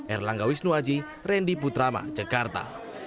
erlangga wisnuaji randy putrama jakarta